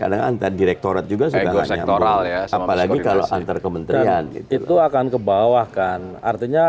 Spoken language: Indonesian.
antar direktorat juga sektor alias apalagi kalau antar kementerian itu akan kebawahkan artinya